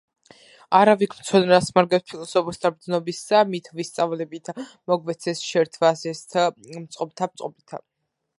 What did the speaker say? არა ვიქმ, ცოდნა რას მარგებს ფილოსოფოსთა ბრძნობისა, მით ვისწავლებით, მოგვეცეს შერთვა ზესთ მწყობრთა წყობისა.